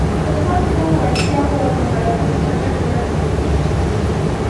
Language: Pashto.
د خلکو له وړتیاوو او مهارتونو څخه ګټه نه اخیستل کېږي